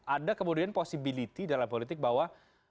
ada kemudian possibility dalam politik bahwa